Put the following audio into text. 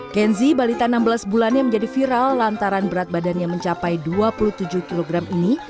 kenzi balita enam belas bulannya menjadi viral lantaran berat badannya mencapai dua puluh tujuh kg ini